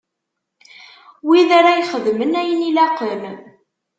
Wid ara ixedmen ayen ilaqen.